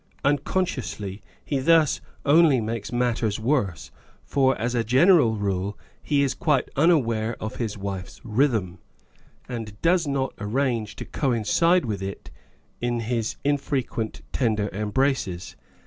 Uncon sciously he thus only makes matters worse; for as a general rule, he is quite unaware of his wife's rhythm, and does not arrange to coincide with it in his infre quent tender embraces.